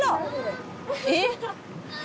「えっ？」